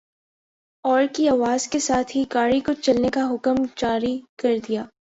اور کی آواز کے ساتھ ہی گاڑی کو چلنے کا حکم جاری کر دیا ۔